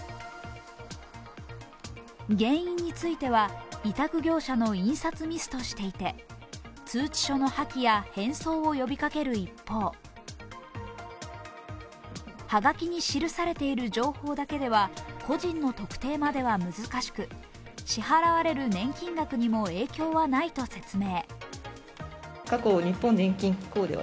原因については、委託業者の印刷ミスとしていて、通知書の破棄や返送を呼びかける一方、はがきに記されている情報だけでは個人の特定までは難しく、支払われる年金額にも影響はないと説明。